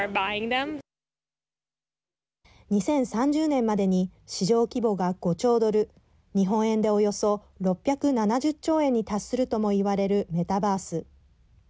２０３０年までに市場規模が５兆ドル日本円でおよそ６７０兆円に達するともいわれるメタバース。